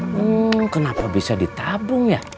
hmmm kenapa bisa di tabung ya